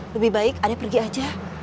lebih baik ada pergi aja